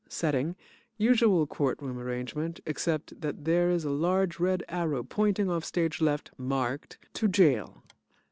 SETTING: Usual court room arrangement, except that there is a large red arrow pointing off stage left, marked "To Jail."